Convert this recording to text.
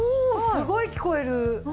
すごい聞こえる。